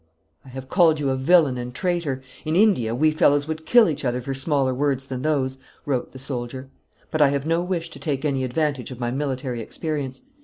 "I have called you a villain and traitor; in India we fellows would kill each other for smaller words than those," wrote the soldier. "But I have no wish to take any advantage of my military experience.